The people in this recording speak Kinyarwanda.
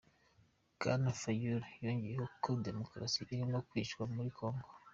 Bwana Fayulu yongeyeho ko demokarasi irimo kwicwa muri Kongo.